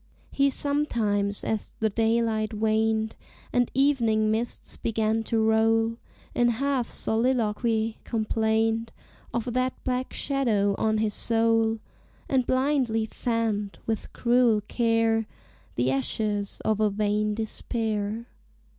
He sometimes, as the daylight waned And evening mists began to roll, In half soliloquy complained Of that black shadow on his soul, And blindly fanned, with cruel care, The ashes of a vain despair.